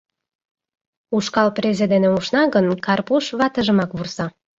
Ушкал презе дене ушна гын, Карпуш ватыжымак вурса: